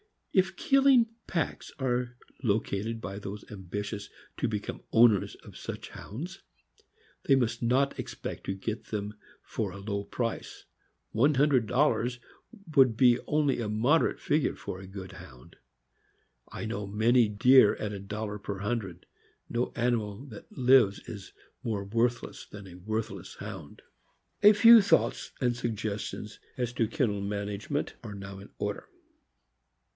If killing packs are located by those ambitious to become owners of such Hounds, they must not expect to get them fora low price; one hundred dollars would be only a moderate figure for a good Hound. I know many dear at a dollar per hundred. No animal that lives is more worthless than a worthless Hound. A few thoughts and suggestions as to kennel manage ment are now in order.